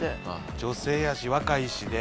女性やし若いしで。